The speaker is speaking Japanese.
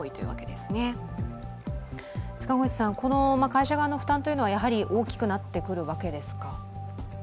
会社側の負担というのはやはり大きくなってくるわけですか？